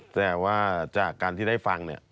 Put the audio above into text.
แต่ว่าจากการที่ได้ฟังเนี่ย